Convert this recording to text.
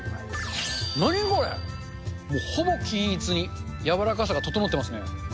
何これ、ほぼ均一にやわらかさが整ってますね。